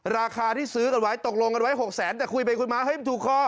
ราคาที่ซื้อกันไว้ตกลงกันไว้๖แสนแต่คุยไปคุยมาเฮ้ยมันถูกคอ